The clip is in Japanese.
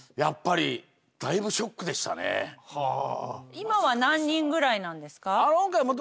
今は何人ぐらいなんですか？